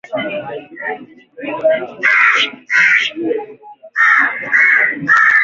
Wanyama ambao wanaweza kuathiriwa huambukizwa kwa kumeza matone kutoka kwa mnyama aliyeathirika